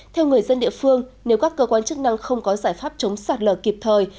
theo người dân địa phương nếu các cơ quan chức năng không có giải pháp chống sạt lở kịp thời